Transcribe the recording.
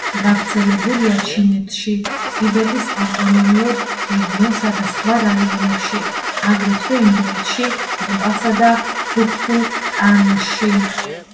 გავრცელებულია ჩინეთში ტიბეტის ავტონომიურ რეგიონსა და სხვა რაიონებში, აგრეთვე ინდოეთში, ნეპალში და ბჰუტანში.